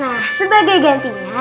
nah sebagai gantinya